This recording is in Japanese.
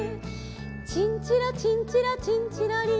「チンチロチンチロチンチロリン」